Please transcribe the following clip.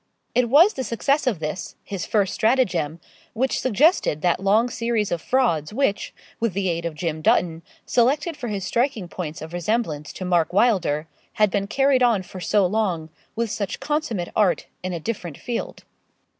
It was the success of this, his first stratagem, which suggested that long series of frauds which, with the aid of Jim Dutton, selected for his striking points of resemblance to Mark Wylder, had been carried on for so long with such consummate art in a different field.